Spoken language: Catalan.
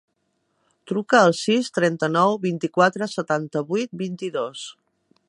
Truca al sis, trenta-nou, vint-i-quatre, setanta-vuit, vint-i-dos.